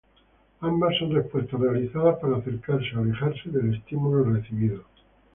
Ambas son respuestas realizadas para acercarse o alejarse del estímulo recibido.